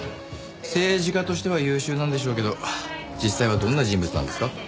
政治家としては優秀なんでしょうけど実際はどんな人物なんですか？